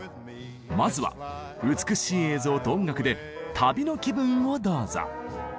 まずは美しい映像と音楽で旅の気分をどうぞ。